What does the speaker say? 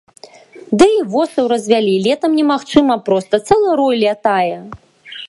Ды і восаў развялі, летам немагчыма проста, цэлы рой лятае.